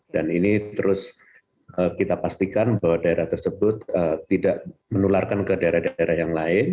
ini terus kita pastikan bahwa daerah tersebut tidak menularkan ke daerah daerah yang lain